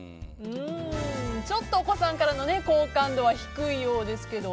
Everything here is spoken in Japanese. ちょっと、お子さんからの好感度は低いようですけど。